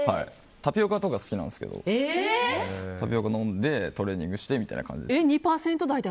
タピオカとか好きなんですけどタピオカ飲んでトレーニングしてみたいな感じです。